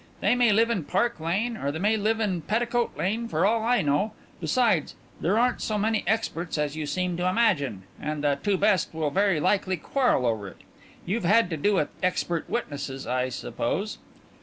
"They may live in Park Lane or they may live in Petticoat Lane for all I know. Besides, there aren't so many experts as you seem to imagine. And the two best will very likely quarrel over it. You've had to do with 'expert witnesses,' I suppose?"